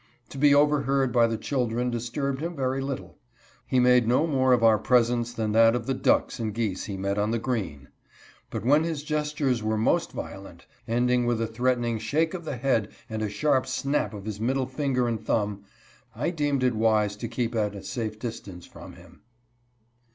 To be overheard by the children disturbed him very little. He made no more of our presence than that of the ducks and geese he met on the green. But when his gestures were most violent, ending with a threatening shake of the head and a sharp snap of his middle finger and thumb, I deemed it wise to keep at a safe distance from him.